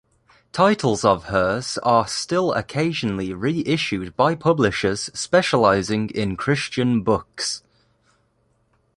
Titles of hers are still occasionally reissued by publishers specializing in Christian books.